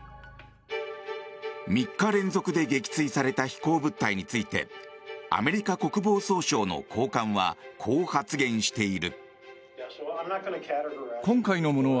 ３日連続で撃墜された飛行物体についてアメリカ国防総省の高官はこう発言している。